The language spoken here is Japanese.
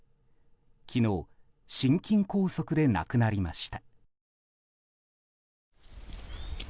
昨日、心筋梗塞で亡くなりました。